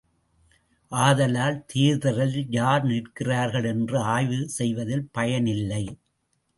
ஆதலால் தேர்தலில் யார் நிற்கிறார்கள் என்று ஆய்வு செய்வதில் பயனில்லை!